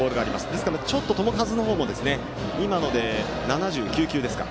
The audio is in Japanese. ですから、ちょっと球数の方も今ので７９球ですか。